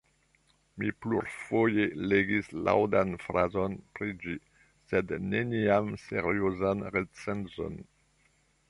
Mi plurfoje legis laŭdan frazon pri ĝi, sed neniam seriozan recenzon.